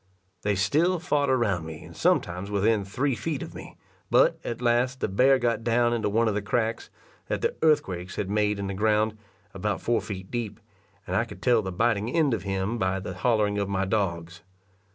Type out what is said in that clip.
They still fought around me, and sometimes within three feet of me; but, at last, the bear got down into one of the cracks, that the earthquakes had made in the ground, about four feet deep, and I could tell the biting end of him by the hollering of my dogs.